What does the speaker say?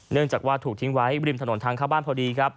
เนื่องจากว่าถูกทิ้งไว้ริมถนนทางเข้าบ้านพอดีครับ